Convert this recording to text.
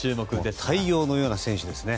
太陽のような選手ですね。